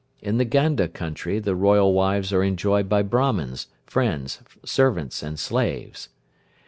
In the Ganda country the royal wives are enjoyed by Brahmans, friends, servants, and slaves.